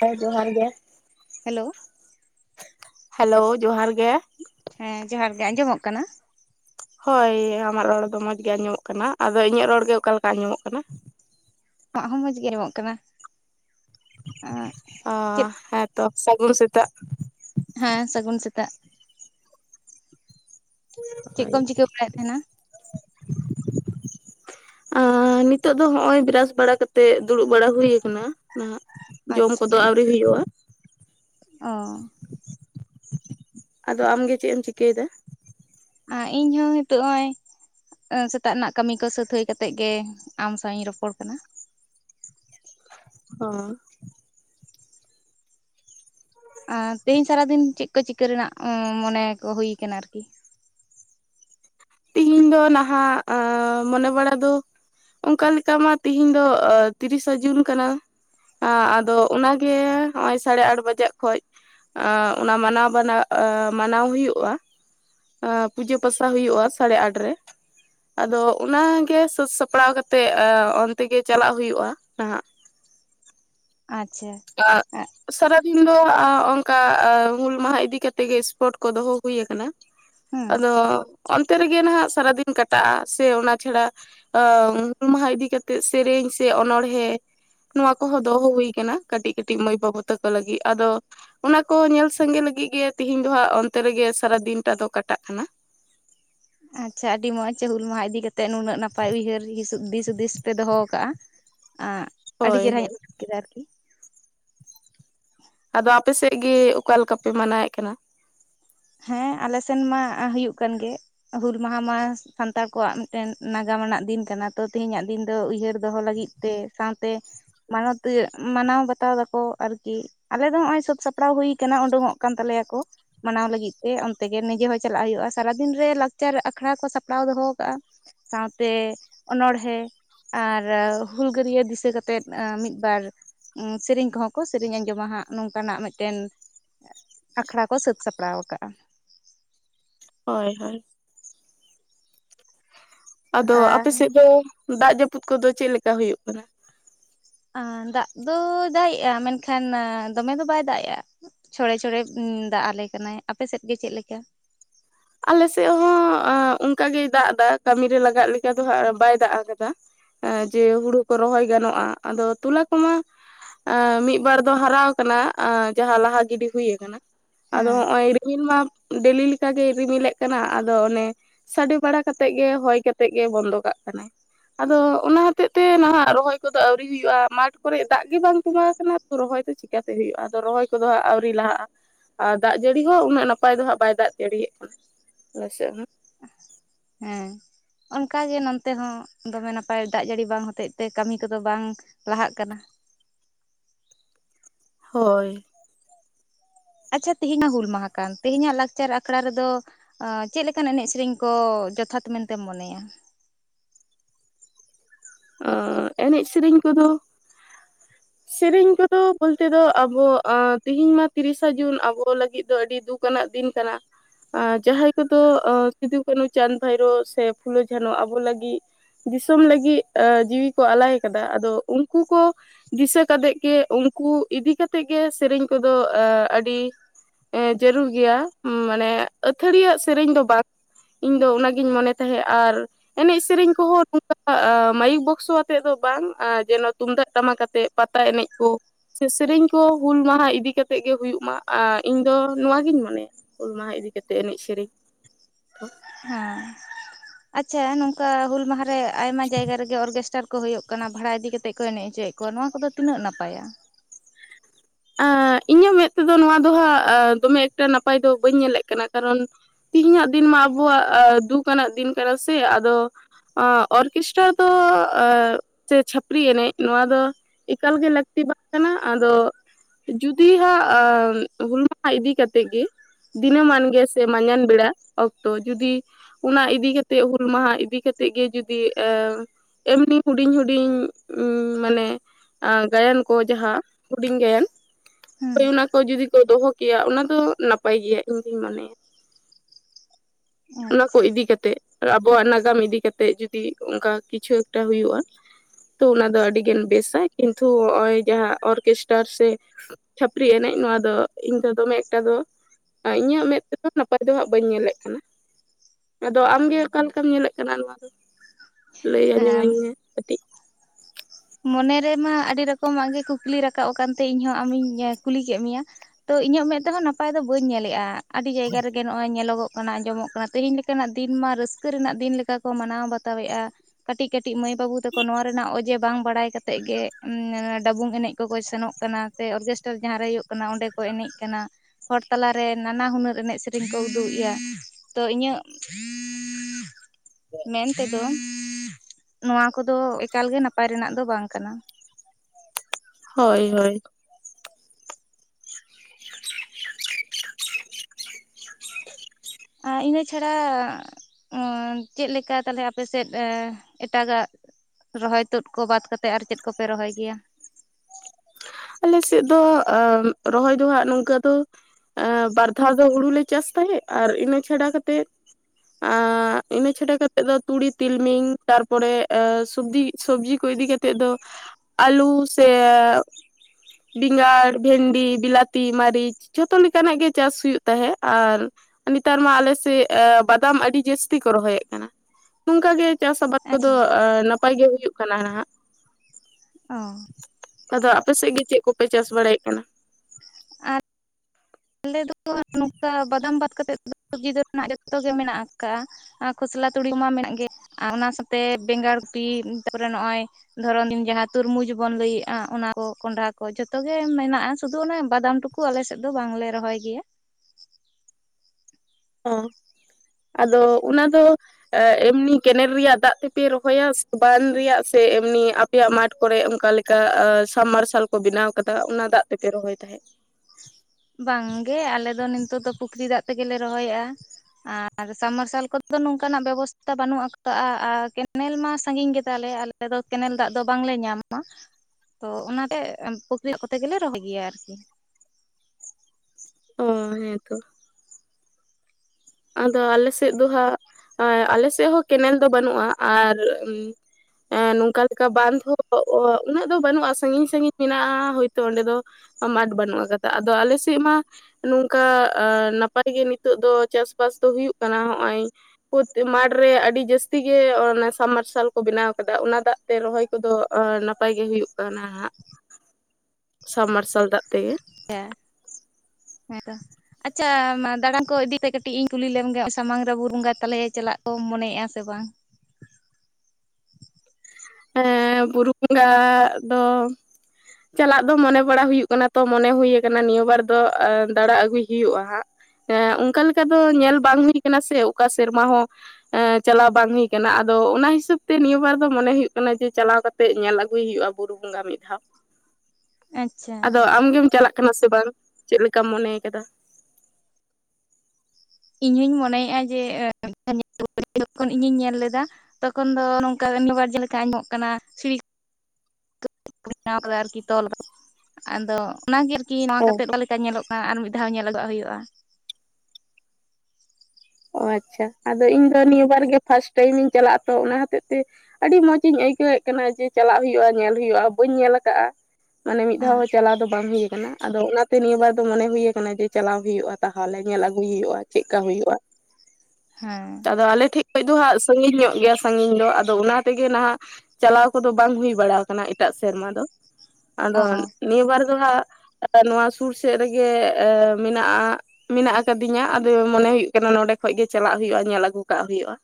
ᱦᱮᱸ ᱡᱚᱦᱟᱨ ᱜᱮ ᱦᱮᱞᱳ ᱦᱟᱞᱳ ᱡᱚᱦᱟᱨ ᱜᱮ ᱦᱮᱸ ᱡᱚᱦᱟᱨ ᱜᱮ ᱟᱸᱡᱚᱢᱚᱜ ᱠᱟᱱᱟ᱾ ᱦᱳᱭ ᱟᱢᱟᱜ ᱨᱚᱲ ᱫᱚ ᱢᱚᱸᱡᱽ ᱜᱮ ᱟᱸᱡᱚᱢᱚᱜ ᱠᱟᱱᱟ᱾ ᱟᱫᱚ ᱤᱧᱟᱹᱜ ᱨᱚᱲ ᱜᱮ ᱚᱠᱟᱞ ᱞᱮᱠᱟ ᱟᱸᱡᱚᱢᱚᱜ ᱠᱟᱱᱟ᱾ ᱟᱢᱟᱜ ᱦᱚᱸ ᱢᱚᱸᱡᱽ ᱜᱮ ᱟᱸᱡᱚᱢᱚᱜ ᱠᱟᱱᱟ᱾ ᱚ ᱪᱮᱫ ᱦᱮᱸᱛᱚ ᱥᱟᱹᱜᱩᱱ ᱥᱮᱛᱟᱜ᱾ ᱦᱮᱸ ᱥᱟᱹᱜᱩᱱ ᱥᱮᱛᱟᱜ᱾ ᱪᱮᱫ ᱠᱚᱢ ᱪᱤᱠᱟᱹ ᱵᱟᱲᱟᱭᱮᱫ ᱛᱟᱦᱮᱱᱟ [unintelligible] ᱱᱤᱛᱳᱜ ᱫᱚ ᱦᱚᱸᱜᱼᱚᱭ ᱵᱨᱟᱥ ᱵᱟᱲᱟ ᱠᱟᱛᱮ ᱫᱩᱲᱩᱵ ᱵᱟᱲᱟ ᱦᱩᱭᱠᱟᱱᱟ ᱱᱟᱦᱟᱜ ᱡᱚᱢ ᱟᱪᱪᱷᱟ ᱠᱚᱫᱚ ᱟᱣᱨᱤ ᱦᱩᱭᱩᱜᱼᱟ ᱚ ᱟᱫᱚ ᱟᱢᱜᱮ ᱪᱮᱫ ᱮᱢ ᱪᱤᱠᱟᱹᱭᱮᱫᱟ? ᱟᱨ ᱤᱧ ᱦᱚᱸ ᱦᱤᱛᱚᱜ ᱦᱚᱸᱜᱚᱭ ᱥᱮᱛᱟᱜ ᱨᱮᱱᱟᱜ ᱠᱟᱹᱢᱤ ᱠᱚ ᱥᱟᱹᱛ ᱦᱟᱹᱭ ᱠᱟᱛᱮᱜ ᱜᱮ ᱟᱢ ᱥᱟᱸᱣ ᱤᱧ ᱨᱚᱯᱚᱲ ᱠᱟᱱᱟ᱾ ᱚ ᱟᱨ ᱛᱮᱦᱮᱧ ᱥᱟᱨᱟᱫᱤᱱ ᱪᱮᱫ ᱠᱚ ᱪᱤᱠᱟᱹ ᱨᱮᱱᱟᱜ ᱢᱚᱱᱮ ᱠᱚ ᱦᱩᱭ ᱟᱠᱟᱱᱟ ᱟᱨᱠᱤ ᱛᱮᱤᱦᱤᱧ ᱫᱚ ᱱᱟᱦᱟᱜ ᱢᱚᱱᱮ ᱵᱟᱲᱟ ᱫᱚ ᱚᱱᱠᱟ ᱞᱮᱠᱟ ᱢᱟ ᱛᱤᱦᱮᱧ ᱫᱚ ᱛᱤᱨᱤᱥᱟ ᱡᱩᱱ ᱠᱟᱱᱟ᱾ ᱟᱫᱚ ᱚᱱᱟᱜᱮ ᱦᱚᱜᱼᱚᱭ ᱥᱟᱲᱮ ᱟᱴ ᱵᱟᱡᱟᱜ ᱠᱷᱚᱡ ᱚᱱᱟ ᱢᱟᱱᱟᱣᱵᱟᱱᱟ ᱢᱟᱱᱟᱣ ᱦᱩᱭᱩᱜᱼᱟ᱾ ᱯᱩᱡᱟᱹ ᱯᱟᱥᱟ ᱦᱩᱭᱩᱜᱼᱟ᱾ᱥᱟᱲᱮ ᱟᱴᱨᱮ ᱟᱫᱚ ᱚᱱᱟᱜᱮ ᱥᱟᱹᱛ ᱥᱟᱯᱲᱟᱣ ᱠᱟᱛᱮᱜ ᱚᱱᱛᱮᱜ ᱜᱮ ᱪᱟᱞᱟᱜ ᱦᱩᱭᱩᱜᱼᱟ ᱱᱟᱦᱟᱜ ᱟᱪᱪᱷᱟ ᱥᱟᱨᱟᱫᱤᱱ ᱫᱚ ᱚᱱᱠᱟ ᱦᱩᱞ ᱢᱟᱦᱟ ᱤᱫᱤᱠᱟ ᱠᱟᱛᱮᱜ ᱜᱮ ᱥᱯᱚᱴ ᱠᱚ ᱫᱚᱦᱚ ᱦᱩᱭᱩ ᱟᱠᱟᱱᱟ᱾ ᱦᱮᱸ ᱟᱫᱚ ᱚᱱᱛᱮ ᱨᱮᱜᱮ ᱱᱟᱜ ᱥᱟᱨᱟᱫᱤᱱ ᱠᱟᱴᱟᱜᱼᱟ ᱥᱮ ᱚᱱᱟ ᱪᱷᱟᱲᱟ ᱦᱩᱞ ᱢᱟᱦᱟ ᱤᱫᱤ ᱠᱟᱛᱮᱜ ᱥᱮᱨᱮᱧ ᱥᱮ ᱚᱱᱚᱬᱦᱮ ᱱᱚᱣᱟ ᱠᱚᱦᱚᱸ ᱫᱚᱦᱚ ᱦᱩᱭ ᱟᱠᱟᱱᱟ᱾ ᱠᱟᱹᱴᱤᱡ ᱠᱟᱹᱴᱤᱡ ᱢᱟᱹᱭ ᱵᱟᱹᱵᱩ ᱛᱟᱠᱚ ᱞᱟᱹᱜᱤᱫ ᱟᱫᱚ ᱚᱱᱟ ᱠᱚ ᱧᱮᱞ ᱥᱟᱸᱜᱮ ᱞᱟᱹᱜᱤᱫ ᱜᱮ ᱛᱮᱦᱮᱧ ᱫᱚ ᱦᱟᱸᱜ ᱚᱱᱛᱮ ᱨᱮᱜᱮ ᱥᱟᱨᱟᱫᱤᱱᱴᱟᱜ ᱫᱚ ᱠᱟᱴᱟᱜ ᱠᱟᱱᱟ᱾ ᱟᱪᱪᱷᱟ ᱟᱹᱰᱤ ᱢᱚᱸᱡᱽ ᱦᱩᱞ ᱢᱟᱦᱟ ᱤᱫᱤ ᱠᱟᱛᱮᱫ ᱱᱩᱱᱟᱹᱜ ᱱᱟᱯᱟᱭ ᱩᱭᱦᱟᱹᱨ ᱫᱤᱥ ᱦᱩᱫᱤᱥ ᱯᱮ ᱫᱚᱦᱚ ᱟᱠᱟᱫᱼᱟ ᱟᱹᱰᱤ ᱦᱳᱭ ᱪᱮᱦᱮᱨᱟᱧ ᱵᱩᱡᱷ ᱠᱮᱫᱟ ᱟᱨᱠᱤ ᱟᱫᱚ ᱟᱯᱮᱥᱮᱫ ᱜᱮ ᱚᱠᱟ ᱞᱮᱠᱟ ᱯᱮ ᱢᱟᱱᱟᱣᱭᱮᱫ ᱠᱟᱱᱟ ᱦᱮᱸ ᱟᱞᱮ ᱥᱮᱱ ᱢᱟ ᱦᱩᱭᱩᱜ ᱠᱟᱱ ᱜᱮ ᱦᱩᱞ ᱢᱟᱦᱟ ᱢᱟ ᱥᱟᱱᱛᱟᱲᱠᱣᱟᱜ ᱢᱤᱫᱴᱮᱱ ᱱᱟᱜᱟᱢ ᱟᱱᱟᱜ ᱫᱤᱱ ᱠᱟᱱᱟ ᱛᱚ ᱛᱮᱦᱮᱧᱟᱜ ᱫᱤᱱ ᱫᱚ ᱩᱭᱦᱟᱹᱨ ᱫᱚᱦᱚ ᱞᱟᱹᱜᱤᱫ ᱛᱮ ᱥᱟᱶᱛᱮ ᱢᱟᱱᱚᱛᱤᱭ ᱢᱟᱱᱟᱣ ᱵᱟᱛᱟᱣ ᱫᱟᱠᱚ ᱟᱨᱠᱤ ᱟᱞᱮ ᱫᱚ ᱱᱚᱜᱼᱚᱭ ᱥᱟᱹᱛ ᱥᱟᱯᱲᱟᱣ ᱦᱩᱭ ᱟᱠᱟᱱᱟ ᱩᱰᱩᱝᱚᱜ ᱠᱟᱱ ᱛᱟᱞᱮᱭᱟ ᱠᱚ ᱢᱟᱱᱟᱣ ᱞᱟᱹᱜᱤᱫ ᱚᱱᱛᱮ ᱜᱮ ᱱᱤᱡᱮ ᱦᱚᱸ ᱪᱟᱞᱟᱜ ᱦᱩᱭᱩᱜᱼᱟ ᱥᱟᱨᱟᱫᱤᱱ ᱨᱮ ᱞᱟᱠᱪᱟᱨ ᱟᱠᱷᱲᱟ ᱠᱚ ᱥᱟᱯᱲᱟᱣ ᱫᱚᱦᱚ ᱟᱠᱟᱜᱼᱟ ᱥᱟᱶᱛᱮ ᱚᱱᱚᱲᱦᱮ ᱟᱨ ᱦᱩᱞᱜᱟᱹᱨᱭᱟᱹ ᱫᱤᱥᱟᱹᱛᱮᱫ ᱢᱤᱫᱵᱟᱨ ᱥᱮᱨᱮᱧ ᱠᱚᱦᱚᱸ ᱠᱚ ᱥᱮᱨᱤᱧ ᱟᱸᱡᱚᱢᱟ ᱦᱟᱸᱜ ᱱᱚᱝᱠᱟᱱᱟᱜ ᱢᱤᱫᱴᱮᱱ ᱟᱠᱷᱲᱟ ᱠᱚ ᱥᱟᱹᱛ ᱥᱟᱯᱲᱟᱣ ᱠᱟᱜᱼᱟ᱾ ᱦᱳᱭ ᱦᱳᱭ ᱟᱫᱚ ᱟᱨ ᱟᱯᱮᱥᱮᱫ ᱫᱚ ᱫᱟᱜ ᱡᱟᱹᱯᱩᱫ ᱠᱚᱫᱚ ᱪᱮᱫᱞᱮᱠᱟ ᱦᱩᱭᱩᱜ ᱠᱟᱱᱟ? ᱫᱟᱜ ᱫᱚᱭ ᱫᱟᱜ ᱮᱜᱼᱟ ᱢᱮᱱᱠᱷᱟᱱ ᱫᱚᱢᱮ ᱫᱚ ᱵᱟᱭ ᱫᱟᱜ ᱜᱮᱼᱟ ᱪᱷᱚᱲᱮ ᱪᱷᱚᱲᱮ ᱫᱟᱜ ᱟᱞᱮ ᱠᱟᱱᱟᱭ᱾ ᱟᱯᱮᱥᱮᱫ ᱜᱮ ᱪᱮᱫ ᱞᱮᱠᱟ? ᱟᱞᱮᱥᱮᱫ ᱦᱚᱸ ᱚᱱᱠᱟ ᱜᱮᱭ ᱫᱟᱜ ᱮᱫᱟ ᱠᱟᱹᱢᱤᱨᱮ ᱞᱟᱜᱟᱜ ᱞᱮᱠᱟ ᱫᱚᱜ ᱵᱟᱭ ᱫᱟᱜ ᱟᱠᱟᱫᱟ ᱮ ᱡᱮ ᱦᱩᱲᱩ ᱠᱚ ᱨᱚᱦᱚᱭ ᱜᱟᱱᱚᱜᱼᱟ ᱟᱫᱚ ᱛᱚᱞᱟ ᱠᱚᱢᱟ ᱟ ᱢᱤᱫᱤ ᱵᱟᱨ ᱫᱚ ᱦᱟᱨᱟ ᱟᱠᱟᱱᱟ ᱡᱟᱦᱟ ᱞᱟᱦᱟ ᱜᱤᱰᱤ ᱦᱩᱭᱠᱟᱱᱟ ᱟᱫᱚ ᱦᱮᱸ ᱱᱚᱜᱼᱚᱭ ᱨᱤᱢᱤᱞ ᱢᱟ ᱰᱮᱞᱤ ᱞᱮᱠᱟᱜᱮ ᱨᱤᱢᱤᱞᱮᱫ ᱠᱟᱱᱟ ᱟᱫᱚ ᱚᱱᱮ ᱥᱟᱰᱮ ᱵᱟᱲᱟ ᱠᱟᱛᱮᱜ ᱜᱮ ᱦᱚᱭ ᱠᱟᱛᱮᱜ ᱜᱮ ᱵᱚᱱᱫᱚ ᱠᱟᱜ ᱠᱟᱱᱟᱭ᱾ ᱟᱫᱚ ᱚᱱᱟ ᱦᱚᱛᱮᱡ ᱛᱮ ᱱᱟᱦᱟᱜ ᱨᱚᱦᱚᱭ ᱠᱚᱫᱚ ᱟᱣᱨᱤ ᱦᱩᱭᱩᱜᱼᱟ ᱢᱟᱴᱷ ᱠᱚᱨᱮ ᱫᱟᱜ ᱜᱮ ᱵᱟᱝ ᱛᱚᱵᱷᱟᱣ ᱟᱠᱟᱱᱟ ᱨᱚᱦᱚᱭ ᱫᱚ ᱪᱤᱠᱟᱛᱮ ᱦᱩᱭᱩᱜᱼᱟ ᱟᱫᱚ ᱨᱚᱦᱚᱭ ᱠᱚᱫᱚ ᱦᱟᱸᱜ ᱟᱹᱣᱨᱤ ᱞᱟᱦᱟᱜᱼᱟ ᱟᱨ ᱫᱟᱜ ᱡᱟᱹᱲᱤ ᱦᱚᱸ ᱩᱱᱟᱹᱜ ᱱᱟᱯᱟᱭ ᱫᱚ ᱦᱟᱸᱜ ᱵᱟᱭ ᱫᱟᱜ ᱡᱟᱹᱲᱤᱭᱟᱜ ᱟᱞᱮᱥᱮᱫ ᱦᱚᱸ ᱦᱮᱸ ᱚᱱᱠᱟᱜᱮ ᱱᱚᱛᱮ ᱦᱚᱸ ᱫᱚᱢᱮ ᱱᱟᱯᱟᱭ ᱫᱟᱜ ᱡᱟᱹᱲᱤ ᱵᱟᱝ ᱦᱚᱛᱮᱡ ᱛᱮ ᱠᱟᱹᱢᱤ ᱠᱚᱫᱚ ᱵᱟᱝ ᱞᱟᱦᱟᱜ ᱠᱟᱱᱟ ᱦᱳᱭ ᱟᱪᱪᱷᱟ ᱛᱮᱦᱮᱧᱟᱜ ᱦᱩᱞ ᱢᱟᱦᱟ ᱠᱟᱱ ᱛᱮᱦᱮᱧᱟᱜ ᱞᱟᱠᱪᱟᱨ ᱟᱠᱷᱲᱟ ᱨᱮᱫᱚ ᱪᱮᱫᱞ ᱞᱮᱠᱟᱱ ᱮᱱᱮᱡ ᱥᱮᱨᱮᱧ ᱠᱚ ᱡᱚᱛᱷᱟᱛ ᱢᱮᱱᱛᱮᱢ ᱢᱚᱱᱮᱭᱟ ᱚ ᱮᱱᱮᱡ ᱥᱮᱨᱮᱧ ᱠᱚᱫᱚ [inaudible] ᱥᱮᱨᱮᱧ ᱠᱚᱫᱚ ᱵᱚᱞᱛᱮ ᱫᱚ ᱟᱵᱚ ᱛᱤᱦᱤᱧ ᱢᱟ ᱛᱤᱨᱤᱥᱟ ᱡᱩᱱ ᱟᱵᱚ ᱞᱟᱹᱜᱤᱫ ᱫᱚ ᱟᱹᱰᱤ ᱫᱩᱠ ᱚᱱᱠᱟᱱᱟᱜ ᱫᱤᱱ ᱠᱟᱱᱟ ᱟᱨ ᱡᱟᱦᱟᱸᱭ ᱠᱚᱫᱚ ᱥᱤᱫᱩ ᱠᱟᱹᱱᱩ ᱪᱟᱸᱫᱽ ᱵᱷᱟᱭᱨᱳ ᱥᱮ ᱯᱷᱩᱞᱳ ᱡᱷᱟᱱᱚ ᱟᱵᱚ ᱞᱟᱹᱜᱤᱫ ᱫᱤᱥᱚᱢ ᱞᱟᱹᱜᱤᱫ ᱡᱤᱣᱤ ᱠᱚ ᱟᱞᱟᱭ ᱟᱠᱟᱫᱟ ᱟᱫᱚ ᱩᱱᱠᱩ ᱠᱚ ᱫᱤᱥᱟᱹ ᱠᱟᱛᱮᱜ ᱜᱮ ᱩᱱᱠᱩ ᱤᱫᱤ ᱠᱟᱛᱮᱫ ᱜᱮ ᱥᱮᱨᱮᱧ ᱠᱚᱫᱚ ᱟᱹᱰᱤ ᱡᱟᱹᱨᱩᱲ ᱜᱮᱭᱟ ᱢᱟᱱᱮ ᱟᱹᱛᱷᱟᱹᱲᱤᱭᱟᱜ ᱥᱮᱨᱮᱧ ᱫᱚ ᱵᱟᱝ ᱤᱧ ᱫᱚ ᱚᱱᱟᱜᱤᱧ ᱢᱚᱱᱮ ᱛᱟᱦᱮᱸᱜ ᱟᱨ ᱮᱱᱮᱡ ᱥᱮᱨᱮᱧ ᱠᱚᱦᱚᱸ [inaudible] ᱱᱚᱝᱠᱟ ᱢᱟᱭᱤᱠ ᱵᱚᱠᱥᱚ ᱟᱛᱮᱫ ᱫᱚ ᱵᱟᱝ ᱟ ᱡᱮᱱᱚ ᱛᱩᱢᱫᱟᱜ ᱴᱟᱢᱟᱠ ᱟᱛᱮᱫ ᱯᱟᱛᱟ ᱮᱱᱮᱡ ᱠᱚ ᱥᱮ ᱥᱮᱨᱮᱧ ᱠᱚ ᱦᱩᱞ ᱢᱟᱦᱟ ᱤᱫᱤᱠᱟ ᱠᱟᱛᱮᱜ ᱜᱮ ᱦᱩᱭᱩᱜ ᱢᱟ ᱟ ᱤᱧ ᱫᱚ ᱱᱚᱣᱟᱜᱤᱧ ᱢᱚᱱᱮᱭᱟ ᱩᱞ ᱢᱟᱦᱟ ᱤᱫᱤᱠᱟ ᱠᱟᱛᱮᱫ ᱮᱱᱮᱡ ᱥᱮᱨᱮᱧ ᱛᱚ ᱦᱮᱸ ᱟᱪᱪᱷᱟ ᱱᱚᱝᱠᱟ ᱦᱩᱞ ᱢᱟᱦᱟ ᱨᱮ ᱟᱭᱢᱟ ᱡᱟᱭᱜᱟ ᱨᱮᱜᱮ ᱚᱨᱜᱮᱥᱴᱟᱨ ᱠᱚ ᱦᱩᱭᱩᱜ ᱠᱟᱱᱟ ᱵᱷᱟᱲᱟ ᱤᱫᱤ ᱠᱟᱛᱮ ᱠᱚ ᱮᱱᱮᱡ ᱚᱪᱚᱭᱮᱫ ᱠᱚᱣᱟ ᱱᱚᱣᱟ ᱠᱚᱫᱚ ᱛᱤᱱᱟᱹᱜ ᱱᱟᱯᱟᱭᱟ ᱤᱧᱟᱹᱜ ᱢᱮᱫ ᱛᱮᱫᱚ ᱱᱚᱣᱟ ᱫᱚᱦᱟᱸᱜ ᱫᱚᱢᱮ ᱮᱠᱴᱟ ᱱᱟᱯᱟᱭ ᱫᱚ ᱵᱟᱹᱧ ᱧᱮᱞᱮᱫ ᱠᱟᱱᱟ ᱠᱟᱨᱚᱱ ᱛᱦᱤᱧᱟᱜ ᱫᱤᱱ ᱢᱟ ᱟᱵᱚᱣᱟᱜ ᱫᱩᱠ ᱟᱱᱟᱜ ᱫᱤᱱ ᱠᱟᱱᱟ ᱥᱮ ᱟᱫᱚ ᱚᱨᱠᱮᱥᱴᱟᱨ ᱫᱚ ᱥᱮ ᱪᱷᱟᱹᱯᱨᱤ ᱮᱱᱮᱡ ᱱᱚᱣᱟ ᱫᱚ ᱮᱠᱟᱞᱜᱮ ᱞᱟᱹᱠᱛᱤ ᱵᱟᱝ ᱠᱟᱱᱟ ᱟᱫᱚᱼᱼ ᱡᱩᱫᱤ ᱦᱟᱸ ᱦᱩᱞᱢᱟᱦᱟ ᱤᱫᱤᱠᱟ ᱠᱟᱛᱮᱜ ᱜᱮ ᱫᱤᱱᱟᱹᱢᱟᱱ ᱜᱮ ᱥᱮ ᱢᱟᱧᱟᱱ ᱵᱮᱲᱟ ᱚᱠᱛᱚ ᱡᱩᱫᱤ ᱚᱱᱟ ᱤᱫᱤ ᱠᱟᱛᱮᱜ ᱦᱩᱞ ᱢᱟᱦᱟ ᱤᱫᱤ ᱠᱟᱛᱮᱫ ᱜᱮ ᱡᱩᱫᱤ ᱮ ᱮᱢᱱᱤ ᱦᱩᱰᱤᱧ ᱦᱩᱰᱤᱧ ᱢᱟᱱᱮ ᱜᱟᱭᱟᱱ ᱠᱚ ᱡᱟᱦᱟᱸ ᱦᱩᱰᱤᱧ ᱜᱟᱭᱟᱱ ᱦᱳᱭ ᱦᱮᱸ ᱚᱱᱟ ᱠᱚ ᱡᱩᱫᱤ ᱠᱚ ᱫᱚᱦᱚ ᱠᱮᱭᱟ ᱚᱱᱟ ᱫᱚ ᱱᱟᱯᱟᱭ ᱜᱮᱭᱟ ᱤᱧ ᱫᱩᱧ ᱢᱚᱱᱮᱭᱟ ᱚᱱᱟ ᱠᱚ ᱟᱪᱪᱷᱟ ᱤᱫᱤᱠᱟ ᱠᱟᱛᱮᱜ ᱟᱵᱚᱣᱟᱜ ᱱᱟᱜᱟᱢ ᱤᱫᱤᱠᱟ ᱠᱟᱛᱮᱜ ᱡᱩᱚᱫᱤ ᱚᱱᱠᱟ ᱠᱤᱪᱷᱩ ᱮᱠᱴᱟ ᱦᱩᱭᱩᱜᱼᱟ ᱛᱚ ᱚᱱᱟ ᱫᱚ ᱟᱹᱰᱤᱜᱢ ᱵᱮᱥᱟ ᱠᱤᱱᱛᱩ ᱱᱚᱜ ᱚᱭ ᱡᱟᱦᱟᱸ ᱚᱨᱠᱮᱥᱴᱟᱨ ᱥᱮ ᱪᱷᱟᱹᱯᱨᱤ ᱮᱱᱮᱡ ᱱᱚᱣᱟ ᱫᱚ ᱤᱧ ᱫᱚ ᱫᱚᱢᱮ ᱮᱠᱴᱟ ᱫᱚ ᱟᱨ ᱤᱧᱟᱹᱜ ᱢᱮᱫ ᱛᱮᱫᱚ ᱱᱟᱯᱟᱭ ᱫᱚ ᱦᱟᱸᱜ ᱵᱟᱹᱧ ᱧᱮᱞᱮᱫ ᱠᱟᱱᱟ ᱟᱫᱚ ᱟᱢᱜᱮ ᱚᱠᱟᱮ ᱞᱮᱠᱟᱢ ᱧᱮᱞᱮᱫ ᱠᱟᱱᱟ ᱱᱚᱣᱟ ᱫᱚ ᱞᱟᱹᱭ ᱟᱸᱡᱚᱢᱟᱹᱧ ᱢᱮ ᱠᱟᱹᱴᱤᱡ ᱢᱚᱱᱮᱨᱮᱢᱟ ᱟᱹᱰᱤ ᱨᱚᱠᱚᱢᱟᱜ ᱜᱮ ᱠᱩᱠᱞᱤ ᱨᱟᱠᱟᱵ ᱟᱠᱟᱱᱛᱮ ᱤᱧᱦᱚᱸ ᱟᱢᱤᱧ ᱠᱩᱞᱤ ᱠᱮᱫ ᱢᱮᱭᱟ ᱛᱚ ᱤᱧᱟᱹᱜ ᱢᱮᱫ ᱛᱮᱦᱚᱸ ᱱᱟᱯᱟᱭ ᱫᱚ ᱵᱟᱹᱧ ᱧᱮᱞᱮᱜᱼᱟ ᱟᱹᱰᱤ ᱡᱟᱭᱜᱟ ᱨᱮᱜᱮ ᱱᱚᱜᱚᱭ ᱧᱮᱞᱚᱜᱚᱜ ᱚᱱᱟ ᱟᱸᱡᱚᱢᱚᱜ ᱠᱟᱱᱟ ᱛᱮᱦᱮᱧ ᱞᱮᱠᱟᱱᱟᱜ ᱫᱤᱱ ᱢᱟ ᱨᱟᱹᱥᱠᱟᱹ ᱨᱮᱱᱟᱜ ᱫᱤᱱ ᱞᱮᱠᱟ ᱠᱚ ᱢᱟᱱᱟᱣ ᱵᱟᱛᱟᱣ ᱮᱫᱼᱟ ᱠᱟᱹᱴᱤᱡ ᱠᱟᱹᱴᱤᱡ ᱢᱟᱹᱭ ᱵᱟᱹᱵᱩ ᱛᱟᱠᱚ ᱱᱚᱣᱟ ᱨᱮᱱᱟᱜ ᱚᱡᱮ ᱵᱟᱝ ᱵᱟᱲᱟᱭ ᱠᱟᱛᱮ ᱜᱮ ᱰᱟᱵᱩᱝ ᱮᱱᱮᱡ ᱠᱚᱠᱚ ᱥᱮᱱᱚᱜ ᱠᱟᱱᱟ ᱥᱮ ᱚᱨᱜᱮᱥᱴᱟᱨ ᱡᱟᱦᱟᱸ ᱨᱮ ᱦᱩᱭᱩᱜ ᱠᱟᱱᱟ ᱚᱸᱰᱮ ᱠᱚ ᱮᱱᱮᱡ ᱠᱟᱱᱟ ᱦᱚᱲ ᱛᱟᱞᱟᱨᱮ ᱱᱟᱱᱟ ᱦᱩᱱᱟᱹᱨ ᱮᱱᱮᱡ ᱥᱮᱨᱮᱧ ᱠᱚ ᱩᱫᱩᱜ ᱮᱼᱭᱟ ᱛᱚ ᱤᱧᱟᱹᱜ [inaudible] ᱢᱮᱱᱛᱮᱫᱚ ᱱᱚᱣᱟ ᱠᱚᱫᱚ ᱮᱠᱟᱞᱜᱮ ᱱᱟᱯᱟᱭ ᱨᱮᱱᱟᱜ ᱫᱚ ᱵᱟᱝ ᱠᱟᱱᱟ ᱦᱳᱭ ᱦᱳᱭ [inaudible] ᱟᱨ ᱤᱱᱟᱹ ᱪᱷᱟᱲᱟ ᱪᱮᱫ ᱞᱮᱠᱟ ᱛᱟᱦᱚᱞᱮ ᱟᱯᱮᱥᱮᱫ ᱮᱴᱟᱜᱟᱜ ᱨᱚᱦᱚᱭ ᱛᱩᱫ ᱠᱚ ᱵᱟᱫ ᱠᱟᱛᱮᱫ ᱟᱨ ᱪᱮᱫ ᱠᱚᱯᱮ ᱨᱚᱦᱚᱭ ᱜᱮᱭᱟ ᱟᱞᱮ ᱥᱮᱫ ᱫᱚ ᱨᱚᱦᱚᱭ ᱫᱚ ᱦᱟᱸᱜ ᱱᱚᱝᱠᱟ ᱫᱚ ᱵᱟᱨ ᱫᱷᱟᱣ ᱫᱚ ᱦᱩᱲᱩᱞᱮ ᱪᱟᱥ ᱛᱟᱦᱮᱸᱫ ᱟᱨ ᱤᱱᱟᱹ ᱪᱷᱟᱰᱟ ᱠᱟᱛᱮᱜ ᱟᱨ ᱤᱱᱟᱹ ᱪᱷᱟᱰᱟ ᱠᱟᱛᱮᱫ ᱫᱚ ᱛᱩᱲᱤ ᱛᱤᱞᱢᱤᱧ ᱛᱟᱨᱯᱚᱨᱮ ᱥᱚᱵᱡᱤ ᱥᱚᱵᱡᱤ ᱠᱚ ᱤᱫᱤ ᱠᱟᱛᱮᱫ ᱥᱮᱫ ᱫᱚ ᱟᱞᱩ ᱥᱮᱼᱼ ᱵᱮᱸᱜᱟᱲ ᱵᱷᱮᱱᱰᱤ ᱵᱤᱞᱟᱛᱤ ᱢᱟᱹᱨᱤᱪ ᱡᱷᱚᱛᱚ ᱞᱮᱠᱟᱱᱟᱜ ᱜᱮ ᱪᱟᱥᱦᱳᱭᱳᱜ ᱛᱟᱦᱮᱸᱜ ᱟᱨ ᱱᱮᱛᱟᱨ ᱢᱟ ᱟᱞᱮ ᱥᱮᱫ ᱵᱟᱫᱟᱢ ᱟᱹᱰᱤ ᱡᱟᱹᱥᱛᱤ ᱠᱚ ᱨᱚᱦᱚᱭᱮᱫ ᱠᱟᱱᱟ ᱱᱚᱝᱠᱟᱜᱮ ᱪᱟᱥ ᱟᱵᱟᱫ ᱠᱚᱫᱚ ᱟᱪᱪᱷᱟ ᱱᱟᱯᱟᱭ ᱜᱮ ᱦᱩᱭᱩᱜ ᱠᱟᱱᱟ ᱱᱟᱜ ᱚᱸᱻ ᱾ ᱟᱫᱚ ᱟᱯᱮ ᱥᱮᱫ ᱜᱮ ᱪᱮᱫ ᱠᱚᱯᱮ ᱪᱟᱥ ᱵᱟᱲᱟᱭᱮᱫ ᱠᱟᱱᱟ ᱾ ᱟᱨ ᱟᱞᱮ ᱫᱚ ᱱᱚᱝᱠᱟ ᱵᱟᱫᱟᱢ ᱵᱟᱫ ᱠᱟᱛᱮᱫ ᱥᱚᱵᱡᱤ ᱫᱚ ᱱᱟᱦᱟᱜ ᱡᱚᱛᱚ ᱜᱮ ᱢᱮᱱᱟᱜ ᱟᱠᱟᱜᱼᱟ ᱾ ᱟᱨ ᱠᱷᱚᱥᱞᱟ ᱛᱩᱲᱤ ᱢᱟ ᱢᱮᱱᱟᱜ ᱜᱮ ᱟᱨ ᱚᱱᱟ ᱥᱟᱶᱛᱮ ᱵᱮᱸᱜᱟᱲ ᱠᱩᱯᱤ ᱛᱟᱨᱯᱚᱨᱮ ᱱᱚᱜᱼᱚᱭ ᱾ ᱫᱷᱚᱨᱚᱱ ᱫᱤᱱ ᱡᱟᱦᱟᱸ ᱛᱩᱨᱢᱩᱡᱽ ᱵᱚᱱ ᱞᱟᱹᱭᱮᱫᱼᱟ ᱚᱱᱟ ᱠᱚ ᱠᱚᱸᱰᱷᱟ ᱠᱚ ᱡᱷᱚᱛᱚ ᱜᱮ ᱢᱮᱱᱟᱜᱼᱟ ᱥᱩᱫᱷᱩ ᱚᱱᱮ ᱵᱟᱫᱟᱢ ᱴᱩᱠᱩ ᱾ ᱠᱩ ᱟᱞᱮᱥᱮᱫ ᱫᱚ ᱵᱟᱝᱞᱮ ᱨᱚᱦᱚᱭ ᱜᱮᱭᱟ ᱾ ᱚ ᱟᱫᱚ ᱚᱱᱟ ᱫᱚ ᱮᱢᱱᱤ ᱠᱮᱱᱮᱞ ᱨᱮᱭᱟᱜ ᱫᱟᱜ ᱛᱮᱯᱮ ᱨᱚᱦᱚᱭᱟ ᱥᱮ ᱵᱟᱸᱫᱷ ᱨᱮᱭᱟᱜ ᱥᱮ ᱮᱢᱱᱤ ᱟᱯᱮᱭᱟᱜ ᱢᱟᱴᱷ ᱠᱚᱨᱮ ᱚᱱᱠᱟ ᱞᱮᱠᱟ ᱥᱟᱵᱢᱟᱨᱥᱟᱞ ᱠᱚ ᱵᱮᱱᱟᱣ ᱟᱠᱟᱫᱟ ᱚᱱᱟ ᱫᱟᱜ ᱛᱮᱯᱮ ᱨᱚᱦᱚᱭ ᱛᱟᱦᱮᱸᱫ? ᱵᱟᱝᱜᱮ ᱟᱞᱮ ᱫᱚ ᱱᱤᱛᱚᱜ ᱫᱚ ᱯᱩᱠᱷᱨᱤ ᱫᱟᱜ ᱛᱮᱜᱮᱞᱮ ᱨᱚᱦᱚᱮᱫᱼᱟ ᱾ ᱟᱨ ᱥᱟᱵᱢᱟᱨᱥᱟᱞ ᱠᱚᱫᱚ ᱱᱚᱝᱠᱟᱱᱟᱜ ᱵᱮᱵᱚᱥᱛᱟ ᱵᱟᱹᱱᱩᱜ ᱟᱠᱟᱜᱼᱟ ᱟᱨ ᱠᱮᱱᱮᱞ ᱢᱟ ᱥᱟᱺᱜᱤᱧ ᱜᱮᱛᱟᱞᱮ ᱼᱟ ᱾ ᱟᱞᱮ ᱫᱚ ᱠᱮᱱᱮᱞ ᱫᱟᱜ ᱫᱚ ᱵᱟᱝᱞᱮ ᱧᱟᱢᱟ ᱾ ᱛᱚ ᱚᱱᱟᱛᱮ ᱯᱩᱠᱷᱨᱤ‌ ᱫᱟᱜ ᱠᱚᱛᱮ ᱜᱮᱞᱮ ᱨᱚᱦᱚᱭ ᱜᱮᱭᱟ ᱟᱨᱠᱤ ᱾ ᱚ ᱦᱮᱸ ᱛᱚ ᱟᱫᱚ ᱟᱞᱮ ᱥᱮᱫ ᱫᱚ ᱦᱟᱸᱜ ᱟᱞᱮᱥᱮᱫ ᱦᱚᱸ ᱠᱮᱱᱮᱞ ᱫᱚ ᱵᱟᱹᱱᱩᱜᱼᱟ ᱟᱨ ᱾ ᱱᱚᱝᱠᱟ ᱞᱮᱠᱟ ᱵᱟᱸᱫᱷ ᱦᱚᱸ ᱩᱱᱟᱹᱜ ᱫᱚ ᱵᱟᱹᱱᱩᱜᱼᱟ ᱥᱟᱺᱜᱤᱧ ᱥᱟᱺᱜᱤᱧ ᱢᱮᱱᱟᱜᱼᱟ ᱦᱳᱭᱛᱳ ᱚᱸᱰᱮ ᱫᱚ ᱢᱟᱴᱷ ᱵᱟᱹᱱᱩᱜ ᱠᱟᱫᱟ ᱟᱫᱚ ᱟᱞᱮ ᱥᱮᱫ ᱢᱟ ᱱᱚᱝᱠᱟ ᱱᱟᱯᱟᱭᱜ ᱜᱮ ᱱᱤᱛᱚᱜ ᱫᱚ ᱪᱟᱥ ᱪᱵᱥ ᱫᱚ ᱦᱩᱭᱩᱜ ᱠᱟᱱᱟ ᱱᱚᱜᱼᱚᱭ ᱢᱟᱴᱷ ᱨᱮ ᱟᱹᱰᱤ ᱡᱟᱹᱥᱛᱤ ᱜᱮ ᱚᱱᱟ ᱥᱟᱵᱢᱟᱨᱥᱟᱞ ᱠᱚ ᱵᱮᱱᱟᱣ ᱟᱠᱟᱫᱟ ᱚᱱᱟ ᱫᱟᱜ ᱛᱮ ᱨᱚᱦᱚᱭ ᱠᱚᱫᱚ ᱱᱟᱯᱟᱭ ᱜᱮ ᱦᱩᱭᱩᱜ ᱠᱟᱱᱟ ᱦᱟᱸᱜ ᱥᱟᱵ ᱢᱟᱨᱥᱟᱞ ᱫᱟᱜ ᱛᱮᱜᱮ ᱦᱮᱸ ᱦᱮᱸᱛᱚ ᱟᱪᱷᱟ ᱫᱟᱬᱟᱱ ᱠᱚ ᱤᱫᱤᱛᱮ ᱠᱟᱹᱴᱤᱡ ᱤᱧ ᱠᱩᱞᱤ ᱞᱮᱢᱜᱮ ᱥᱟᱢᱟᱝ ᱨᱮ ᱵᱩᱨᱩ ᱵᱚᱸᱜᱟ ᱛᱟᱞᱮ ᱪᱟᱞᱟᱜ ᱠᱚ ᱢᱚᱱᱮᱭᱼᱟ ᱥᱮ ᱵᱟᱝ? ᱦᱮᱸ ᱵᱩᱨᱩ ᱵᱚᱸᱜᱟ ᱫᱚ ᱪᱟᱞᱟᱜ ᱫᱚ ᱢᱚᱱᱮ ᱵᱟᱲᱟ ᱦᱩᱭᱩᱜ ᱠᱟᱱᱟ ᱛᱚ ᱢᱚᱱᱮ ᱦᱩᱭ ᱠᱟᱱᱟ ᱱᱤᱭᱟᱹ ᱵᱟᱨ ᱫᱚ ᱫᱟᱬᱟ ᱟᱹᱜᱩᱭ ᱦᱩᱭᱩᱜᱼᱟ ᱦᱟᱸᱜ ᱾ ᱮᱸ ᱚᱱᱠᱟ ᱞᱮᱠᱟ ᱫᱚ ᱧᱮᱞ ᱵᱟᱝ ᱦᱩᱭ ᱠᱟᱱᱟ ᱥᱮ ᱚᱠᱟ ᱥᱮᱨᱢᱟ ᱦᱚᱸᱼᱼ ᱪᱟᱞᱟᱣ ᱵᱟᱝ ᱦᱩᱭ ᱟᱠᱟᱱᱟ ᱟᱫᱚ ᱚᱱᱟ ᱦᱤᱥᱟᱹᱵ ᱛᱮ ᱱᱤᱭᱟᱹ ᱵᱟᱨ ᱫᱚ ᱢᱚᱱᱮ ᱦᱩᱭᱩᱜ ᱠᱟᱱᱟ ᱡᱮ ᱪᱟᱞᱟᱣ ᱠᱟᱛᱮᱜ ᱧᱮᱞ ᱟᱹᱜᱩᱭ ᱦᱩᱭᱩᱜᱼᱟ ᱵᱩᱨᱩ ᱵᱚᱸᱜᱟ ᱢᱤᱫ ᱫᱷᱟᱣ ᱟᱪᱪᱷᱟ ᱟᱫᱚ ᱟᱢ ᱜᱮᱢ ᱪᱟᱞᱟᱜ ᱠᱟᱱᱟ ᱥᱮ ᱵᱟᱝ ᱪᱮᱫ ᱞᱮᱠᱟᱢ ᱢᱚᱱᱮ ᱟᱠᱟᱫᱟ ᱾ ᱤᱧ ᱦᱚᱧ ᱢᱚᱱᱮᱭᱮᱟ ᱡᱮ [unintelligible] ᱡᱚᱠᱷᱚᱱ ᱤᱧᱤᱧ ᱧᱮᱞ ᱞᱮᱫᱟ ᱛᱚᱠᱷᱚᱱ ᱫᱚ ᱱᱚᱝᱠᱟ ᱱᱤᱭᱵᱟᱨ ᱡᱮᱞᱠᱟ ᱟᱚᱜ ᱠᱟᱱᱟ ᱥᱤᱲ [unintelligible] ᱵᱮᱱᱟᱣ ᱠᱟᱫᱟ ᱟᱨᱠᱤ ᱛᱚᱞ ᱟᱫᱚ [unintelligible] ᱚᱱᱟᱜᱮ ᱟᱨᱠᱤ ᱱᱚᱣᱟ ᱚ ᱠᱟᱛᱮᱫ ᱚᱠᱟ ᱞᱮᱠᱟ ᱧᱮᱞᱚᱜ ᱠᱟᱱᱟ ᱟᱨ ᱢᱤᱫ ᱫᱷᱟᱣ ᱧᱮᱞ ᱟᱹᱜᱩᱣᱟᱜ ᱦᱩᱭᱩᱜᱼᱟ ᱾ ᱚ ᱟᱪᱷᱟ ᱟᱫᱚ ᱤᱧ ᱫᱚ ᱱᱤᱭᱟᱹ ᱵᱟᱨ ᱜᱮ ᱯᱷᱟᱥᱴ ᱴᱟᱭᱤᱢ ᱤᱧ ᱪᱟᱞᱟᱜᱼᱟ ᱛᱚ ᱚᱱᱟ ᱦᱚᱛᱮ ᱮᱛ ᱟᱹᱰᱤ ᱢᱚᱸᱡᱽ ᱤᱧ ᱟᱹᱭᱠᱟᱹᱣᱮᱫ ᱠᱟᱱᱟ ᱡᱮ ᱪᱟᱞᱟᱜ ᱦᱩᱭᱩᱜᱼᱟ ᱧᱮᱞ ᱦᱩᱭᱩᱜᱼᱟ ᱵᱟᱹᱧ ᱧᱮᱞ ᱟᱠᱟᱫᱼᱟ ᱢᱟᱱᱮ ᱢᱤᱫ ᱫᱷᱟᱣ ᱦᱚᱸ ᱪᱟᱞᱟᱣ ᱫᱚ ᱵᱟᱝ ᱦᱩᱭ ᱟᱠᱟᱱᱟ ᱟᱫᱚ ᱚᱱᱟᱛᱮ ᱱᱤᱭᱟᱹ ᱵᱟᱨ ᱫᱚ ᱢᱚᱱᱮ ᱦᱩᱭ ᱟᱠᱟᱱᱟ ᱡᱮ ᱪᱟᱞᱟᱣ ᱦᱩᱭᱩᱜᱼᱟ ᱛᱟᱦᱚᱞᱮ ᱧᱮᱞ ᱟᱹᱜᱩᱭ ᱦᱩᱭᱩᱜᱼᱟ ᱾ ᱪᱮᱫᱠᱟ ᱦᱩᱭᱩᱜᱼᱟ ᱾ ᱦᱮᱸ ᱻ᱾ ᱟᱫᱚ ᱟᱞᱮ ᱴᱷᱮᱡ ᱠᱷᱚᱱ ᱫᱚ ᱦᱟᱜ ᱥᱟᱺᱜᱤᱧ ᱧᱚᱜ ᱜᱮᱭᱟ ᱥᱟᱺᱜᱤᱧ ᱫᱚ ᱟᱫᱚ ᱚᱱᱟ ᱛᱮᱜᱮ ᱱᱟᱦᱟᱜ ᱪᱟᱞᱟᱣ ᱠᱚᱫᱚ ᱵᱟᱝ ᱦᱩᱭ ᱵᱟᱲᱟ ᱟᱠᱟᱱᱟ ᱮᱴᱟᱜ ᱥᱮᱨᱢᱟ ᱫᱚ ᱟᱫᱚ ᱚ ᱱᱤᱭᱟᱹᱵᱟᱨ ᱫᱚ ᱦᱟᱸᱜ ᱟᱫᱚ ᱱᱚᱣᱟ ᱥᱩᱨ ᱥᱮᱜ ᱨᱮᱜᱮ ᱮ ᱢᱮᱱᱟᱜᱼᱟ ᱢᱮᱱᱟᱜ ᱟᱠᱟᱫᱤᱧᱟ ᱟᱫᱚ ᱢᱚᱱᱮ ᱦᱩᱭᱩᱜ ᱱᱚᱰᱮ ᱠᱷᱚᱡ ᱜᱮ ᱪᱟᱞᱟᱜ ᱦᱩᱭᱩᱜᱼᱟ ᱧᱮᱞ ᱟᱹᱜᱩ ᱠᱟᱜ ᱦᱩᱭᱩᱜᱼᱟ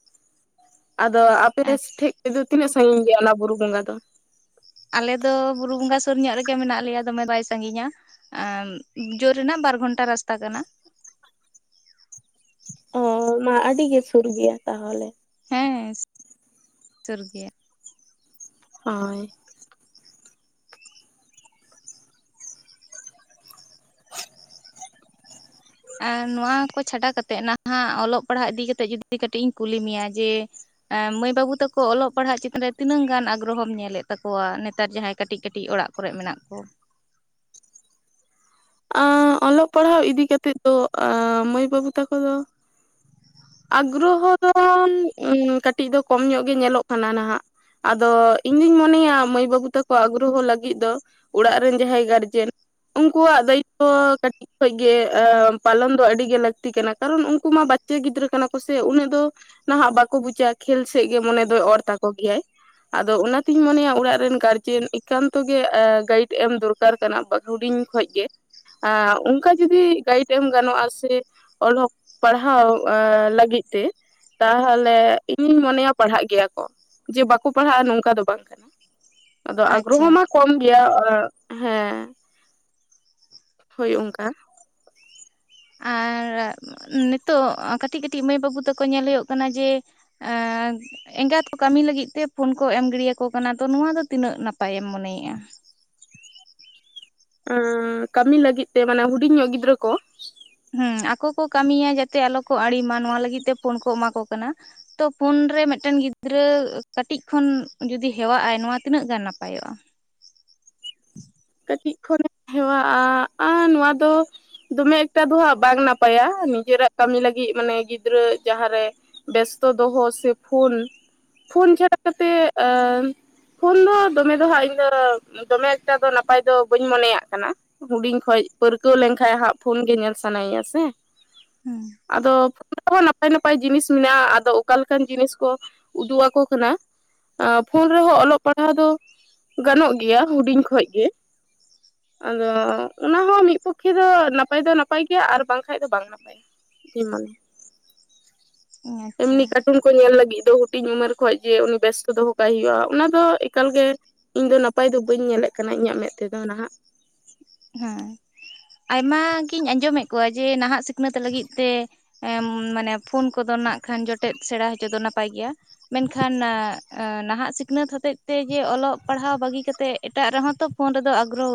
ᱟᱫᱚ ᱟᱯᱮᱻᱥ ᱟᱪᱪᱷᱟ ᱴᱷᱮᱡ ᱟᱫᱚ ᱛᱤᱱᱟᱹᱜ ᱥᱟᱺᱜᱤᱧ ᱜᱮᱭᱟ ᱚᱱᱟ ᱵᱩᱨᱩ ᱵᱚᱸᱜᱟ ᱫᱚ? ᱟᱞᱮ ᱫᱚ ᱵᱩᱨᱩ ᱵᱚᱸᱜᱟ ᱥᱩᱨ ᱧᱚᱜ ᱨᱮᱜᱮ ᱢᱮᱱᱟᱜ ᱞᱮᱭᱟ ᱫᱚᱢᱮ ᱵᱟᱭ ᱥᱟᱺᱜᱤᱧᱟ ᱾ ᱮᱻᱢ ᱡᱳᱨ ᱨᱮᱱᱟᱜ ᱵᱟᱨ ᱜᱷᱚᱱᱴᱟ ᱨᱟᱥᱛᱟ ᱠᱟᱱᱟ ᱾ ᱚ ᱢᱟ ᱟᱹᱰᱤᱜᱮ ᱥᱩᱨ ᱜᱮᱭᱟ ᱛᱟᱣᱦᱚᱞᱮ ᱦᱮᱸ ᱦᱮᱸ [unintelligible] ᱳᱨ ᱜᱮᱭᱟ᱾ ᱦᱳᱻᱚᱭ ᱟᱨ ᱱᱚᱣᱟ ᱠᱚ ᱪᱷᱟᱰᱟ ᱠᱟᱛᱮᱫ ᱱᱟᱦᱟᱜ ᱚᱞᱚᱜ ᱯᱟᱲᱦᱟᱜ ᱤᱫᱤ ᱠᱟᱛᱮᱜ ᱡᱚᱫᱤ ᱠᱟᱹᱴᱤᱡ ᱤᱧ ᱠᱩᱞᱤ ᱢᱮᱭᱟ ᱡᱮ [unintelligible] ᱢᱟᱹᱭ ᱵᱟᱹᱵᱩ ᱛᱟᱠᱚ ᱚᱞᱚᱜ ᱯᱟᱲᱦᱟᱜ ᱪᱮᱛᱟᱱ ᱨᱮ ᱛᱤᱱᱟᱹᱜ ᱜᱟᱱ ᱟᱜᱽᱨᱚ ᱦᱚᱢ ᱧᱮᱞᱮᱫ ᱛᱟᱠᱚᱣᱟ ᱱᱮᱛᱟᱨ ᱡᱟᱦᱟᱸᱭ ᱠᱟᱹᱴᱤᱡ ᱠᱟᱹᱴᱤᱡ ᱚᱲᱟᱜ? [unintelligible] ᱠᱚᱨᱮᱜ ᱢᱮᱱᱟᱜ ᱠᱚ? ᱟᱸᱻ ᱚᱞᱚᱜ ᱯᱟᱲᱦᱟᱣ ᱤᱫᱤ ᱠᱟᱛᱮᱫ ᱫᱚ ᱟᱸᱻ ᱢᱟᱹᱭ ᱵᱟᱹᱵᱩ ᱛᱟᱠᱚ ᱫᱚ, ᱟᱜᱽᱨᱚᱦᱚ ᱫᱚ [unintelligible] ᱠᱟᱹᱴᱤᱡ ᱫᱚ ᱠᱚᱢ ᱧᱚᱜ ᱜᱮ ᱧᱮᱞᱚᱜ ᱠᱟᱱᱟ ᱱᱟᱦᱟᱜ ᱾ ᱟᱫᱚ ᱤᱧ ᱫᱩᱧ ᱢᱚᱱᱮᱭᱟ ᱢᱟᱹᱭ ᱵᱟᱹᱵᱩ ᱛᱟᱠᱚ ᱟᱜᱽᱨᱚᱦᱚ ᱞᱟᱹᱜᱤᱫ ᱫᱚ? ᱚᱲᱟᱜ ᱨᱮᱱ ᱡᱟᱦᱟᱸᱭ ᱜᱟᱨᱡᱮᱱ ᱩᱱᱠᱩᱣᱟᱜ ᱫᱟᱭᱤᱛ ᱛᱚ ᱠᱟᱹᱴᱤᱡ, [unintelligible] ᱜᱮᱻ ᱯᱟᱞᱚᱱ ᱫᱚ ᱟᱹᱰᱤᱜᱮ ᱞᱟᱹᱠᱛᱤ ᱠᱟᱱᱟ, ᱠᱟᱨᱚᱱ ᱩᱱᱠᱩ ᱢᱟ ᱵᱟᱪᱪᱮᱭ ᱜᱤᱫᱽᱨᱟᱹ ᱠᱟᱱᱟ ᱠᱚ ᱥᱮ ᱩᱱᱟᱹᱜ ᱫᱚ᱾ ᱱᱟᱦᱟᱜ ᱵᱟᱠᱚ ᱵᱩᱪᱟ ᱠᱷᱮᱞ ᱥᱮᱜ ᱜᱮ ᱢᱚᱱᱮ ᱫᱚᱭ ᱚᱨ ᱛᱟᱠᱚ ᱜᱮᱭᱟᱭ ᱾ ᱟᱫᱚ ᱚᱱᱟᱛᱤᱧ ᱢᱚᱱᱮᱭᱟ ᱩᱲᱟᱜ ᱨᱮᱱ ᱜᱟᱨᱡᱮᱱ ᱮᱠᱟᱱᱛᱚ ᱜᱮ ᱜᱟᱭᱤᱰ ᱮᱢ ᱫᱚᱨᱠᱟᱨ, [unintelligible] ᱦᱩᱰᱤᱧ ᱠᱷᱚᱡ ᱜᱮ, ᱟᱸ ᱚᱱᱠᱟ ᱡᱩᱫᱤ ᱜᱟᱭᱤᱰ ᱮᱢ ᱜᱟᱱᱚᱜᱼᱟ ᱥᱮ ᱚᱞᱚᱠ ᱯᱟᱲᱦᱟᱣ ᱟᱻ ᱞᱟᱹᱜᱤᱫ ᱛᱮ? ᱛᱟᱦᱟᱞᱮ ᱤᱧᱤᱧ ᱢᱚᱱᱮᱭᱟ ᱯᱟᱲᱦᱟᱜ ᱜᱮᱭᱟ ᱠᱚ ᱾ ᱡᱮ ᱵᱟᱠᱚ ᱯᱟᱲᱦᱟᱜᱼᱟ, ᱱᱚᱝᱠᱟ ᱫᱚ ᱵᱟᱝ ᱠᱟᱱᱟ ᱾ ᱟᱫᱚ ᱟᱜᱽᱨᱚᱦᱚ ᱟᱪᱪᱷᱟ ᱢᱟ ᱠᱚᱢ ᱜᱮᱭᱟ ᱦᱮᱸ। ᱦᱳᱭ ᱚᱝᱠᱟ᱾ ᱟᱨ ᱱᱤᱛᱚᱜ ᱠᱟᱹᱴᱤᱜ ᱠᱟᱹᱴᱤᱜ ᱢᱟᱹᱭ ᱵᱟᱹᱵᱩ ᱛᱟᱠᱚ ᱧᱮᱞ ᱦᱩᱭᱩᱜ ᱠᱟᱱᱟ ᱡᱮ? ᱮᱸ [inaudible] ᱮᱸᱜᱟᱛ ᱠᱚ ᱠᱟᱹᱢᱤ ᱞᱟᱹᱜᱤᱫ ᱛᱮ ᱯᱷᱳᱱ ᱠᱚ ᱮᱢ ᱜᱤᱰᱤᱭᱟᱠᱚ ᱠᱟᱱᱟ ᱛᱚ ᱱᱚᱣᱟ ᱫᱚ ᱛᱤᱱᱟᱹᱜ ᱱᱟᱯᱟᱭᱮᱢ ᱢᱚᱱᱮᱭᱮᱜᱼᱟ? [unintelligible] ᱠᱟᱹᱢᱤ ᱞᱟᱹᱜᱤᱫ ᱛᱮ ᱢᱟᱱᱮ ᱦᱩᱰᱤᱧ ᱧᱚᱜ ᱜᱤᱫᱽᱨᱟᱹ ᱠᱚ? ᱦᱩᱸ ᱟᱠᱚ ᱠᱚ ᱠᱟᱹᱢᱤᱭᱟ ᱡᱟᱛᱮ ᱟᱞᱚ ᱠᱚ ᱟᱲᱤᱢᱟ ᱱᱚᱣᱟ ᱞᱟᱹᱜᱤᱫ ᱛᱮ ᱯᱷᱳᱱ ᱠᱚ ᱮᱢᱟ ᱠᱚ ᱠᱟᱱᱟ᱾ ᱛᱚ ᱯᱷᱳᱱ ᱨᱮ ᱢᱤᱫ ᱴᱮᱱ ᱜᱤᱫᱽᱨᱟᱹ ᱠᱟᱴᱤᱡ ᱠᱷᱚᱱ ᱡᱩᱫᱤ ᱦᱮᱣᱟᱜ ᱟᱭ ᱱᱚᱣᱟ ᱛᱤᱱᱟᱹᱜ ᱜᱟᱱ ᱱᱟᱯᱟᱭᱚᱜᱼᱟ? ᱠᱟᱹᱴᱤᱡ ᱠᱷᱚᱱ [unintelligible] ᱦᱮᱣᱟᱜᱼᱟ ᱟᱻ ᱱᱚᱣᱟ ᱫᱚ? ᱫᱚᱢᱮᱜ ᱮᱠᱴᱟ ᱫᱚ ᱦᱟᱸᱜ ᱵᱟᱝ ᱱᱟᱯᱟᱭᱟ ᱱᱤᱡᱮᱨᱟᱜ ᱠᱟᱹᱢᱤ ᱞᱟᱹᱜᱤᱫ ᱢᱟᱱᱮ ᱜᱤᱫᱽᱨᱟᱹ ᱡᱟᱦᱟᱸᱨᱮ, ᱵᱮᱥᱛᱚ ᱫᱚᱦᱚ ᱥᱮ ᱯᱷᱳᱱ, ᱯᱷᱳᱱ ᱪᱷᱟᱲᱟ ᱠᱟᱛᱮᱜ ᱟᱻ [unintelligible] ᱫᱚ ᱦᱟᱜ ᱫᱚᱢᱮ ᱫᱚ ᱦᱟᱜ ᱤᱭᱟ ᱫᱚᱢᱮ ᱮᱠᱴᱟ ᱫᱚ ᱱᱟᱯ [unintelligible] [unintelligible] ᱯᱟᱭ ᱫᱚ ᱵᱟᱹᱧ ᱢᱚᱱᱮᱭᱟᱜ ᱠᱟᱱᱟ ᱦᱩᱰᱤᱧ ᱠᱷᱚᱡ ᱯᱟᱹᱨᱠᱟᱹᱣ ᱞᱮᱱᱠᱷᱟᱡ ᱦᱟᱸᱜ ᱯᱷᱳᱱ ᱜᱮ ᱧᱮᱞ ᱥᱟᱱᱟᱭᱟ ᱥᱮ᱾ ᱦᱮᱸ ᱟᱫᱚ? [inaudible] [unintelligible] ᱱᱟᱯᱟᱭ ᱱᱟᱯᱟᱭ ᱡᱤᱱᱤᱥ ᱢᱮᱱᱟᱜᱼᱟ ᱟᱫᱚ ᱚᱠᱟᱞᱮᱠᱟᱱ ᱡᱤᱱᱤᱥ ᱠᱚ ᱩᱫᱩᱜ ᱟᱠᱚ ᱠᱟᱱᱟ? ᱟᱻ ᱯᱷᱳᱱ ᱨᱮᱦᱚᱸ ᱚᱞᱚᱜ ᱯᱟᱲᱦᱟᱣ ᱫᱚ ᱜᱟᱱᱚᱜ ᱜᱮᱭᱟ ᱦᱩᱰᱤᱧ ᱠᱷᱚᱡ ᱜᱮ᱾ ᱟᱫᱚ ᱚᱱᱟ ᱦᱚᱸ ᱢᱤᱫ ᱯᱚᱠᱠᱷᱮ ᱫᱚ ᱱᱟᱯᱟᱭ ᱫᱚ ᱱᱟᱯᱟᱭ ᱜᱮᱭᱟ ᱟᱨ ᱵᱟᱝᱠᱷᱟᱡ ᱫᱚ ᱵᱟᱝ ᱱᱟᱯᱟᱭᱟ ᱾ [unintelligible] [inaudible] ᱟᱪᱪᱷᱟ ᱮᱢᱱᱤ ᱠᱟᱴᱩᱱ, [unintelligible] ᱧᱮᱞ ᱞᱟᱹᱜᱤᱫ ᱫᱚ ᱦᱩᱰᱤᱧ ᱩᱢᱮᱨ ᱠᱷᱚᱡ ᱜᱮ ᱩᱱᱤ ᱵᱮᱥᱛᱚ ᱫᱚᱦᱚ ᱠᱟᱭ ᱦᱩᱭᱩᱜᱼᱟ ᱚᱱᱟ ᱫᱚ ᱮᱠᱟᱞ ᱜᱮ, ᱤᱧ ᱫᱚ ᱱᱟᱯᱟᱭ ᱫᱚ ᱵᱟᱹᱧ ᱧᱮᱞᱮᱜ ᱠᱟᱱᱟ, ᱤᱧᱟᱹᱜ ᱢᱮᱫ ᱛᱮᱫᱚ ᱱᱷᱟᱜ ᱾ ᱦᱩᱸ ᱟᱭᱢᱟ ᱜᱤᱧ ᱟᱸᱡᱚᱢᱮᱜ ᱠᱚᱣᱟ ᱡᱮ ᱱᱟᱦᱟᱜ ᱥᱤᱠᱷᱱᱟᱹᱛ ᱞᱟᱹᱜᱤᱫ ᱛᱮ? ᱮᱻᱢ ᱢᱟᱱᱮ ᱯᱷᱳᱱ ᱠᱚᱫᱚ ᱱᱟᱸᱜ ᱠᱷᱟᱱ ᱡᱚᱴᱮᱫ ᱥᱮᱬᱟ ᱦᱚᱪᱚ ᱫᱚ ᱱᱟᱯᱟᱭ ᱜᱮᱭᱟ ᱢᱮᱱᱠᱷᱟᱱ? [unintelligible] ᱱᱟᱦᱟᱜ ᱥᱤᱠᱱᱟᱹᱛ ᱦᱚᱛᱮᱜ ᱛᱮ ᱡᱮ ᱚᱞᱚᱜ ᱯᱟᱲᱦᱟᱣ ᱵᱟᱹᱜᱤ ᱠᱟᱛᱮᱜ ᱮᱴᱟᱜ ᱨᱮᱦᱚᱸ ᱛᱚ ᱯᱷᱳᱱ ᱨᱮᱫᱚ ᱟᱜᱽᱨᱚᱦᱚ ᱦᱳᱭᱩᱜ [inaudible]